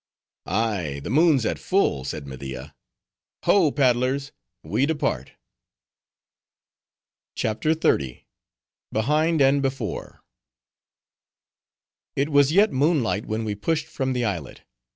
"Ay, the moon's at full," said Media. "Ho, paddlers! we depart." CHAPTER XXX. Behind And Before It was yet moonlight when we pushed from the islet.